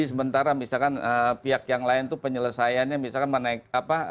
sementara misalkan pihak yang lain itu penyelesaiannya misalkan menaik apa